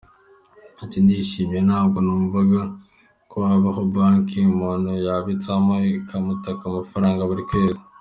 Ati “ Ubu ndishimye, ntabwo numvaga ko habaho banki umuntu yabitsamo itamukata amafaranga buri kwezi.